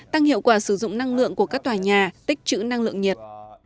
tăng hiệu quả sử dụng năng lượng của các tòa nhà tích chữ năng lượng nhiệt